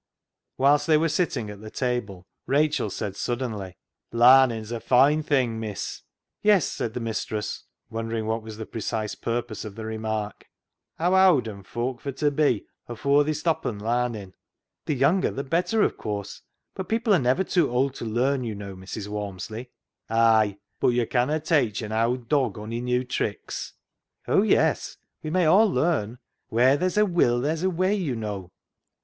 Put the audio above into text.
Whilst they were sitting at the table Rachel said suddenly —" Larnin's a foine thing, miss." Yes," said the mistress, wondering what was the precise purpose of the remark. " Haa owd 'an folk fur t' be afoor they stoppen larnin' ?"" The younger the better, of course ; but people are never too old to learn, you know, Mrs. Walmsley." " Ay, but yo' conna teitch an owd dog ony new tricks." " Oh yes, we may all learn. ' Where there's a will there's a way,' you know."